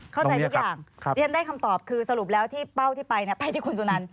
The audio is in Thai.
เข้าใจทุกอย่างที่ฉันได้คำตอบคือสรุปแล้วที่เป้าที่ไปไปที่คุณสุนัน